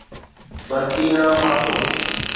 Burkina Faso